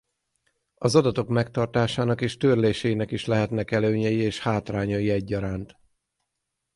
Az adatok megtartásának és törlésének is lehetnek előnyei és hátrányai egyaránt.